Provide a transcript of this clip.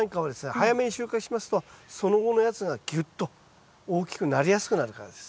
早めに収穫しますとその後のやつがぎゅっと大きくなりやすくなるからです。